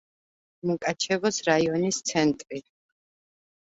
მუკაჩევოს რაიონის ცენტრი.